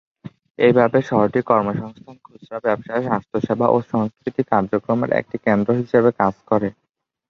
এইভাবে শহরটি কর্মসংস্থান, খুচরা-ব্যবসা, স্বাস্থ্যসেবা ও সংস্কৃতি কার্যক্রমের একটি কেন্দ্র হিসাবে কাজ করে।